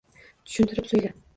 Tushuntirib so‘yla